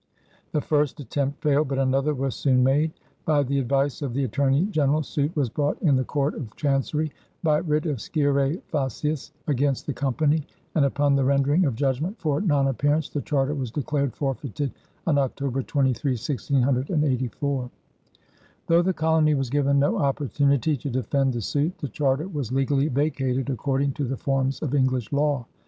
The first attempt failed, but another was soon made. By the advice of the Attorney General, suit was brought in the Court of Chancery by writ of scire facias against the company, and upon the rendering of judgment for non appearance the charter was declared forfeited on October 23, 1684. Though the colony was given no opportunity to defend the suit, the charter was legally vacated according to the forms of English law.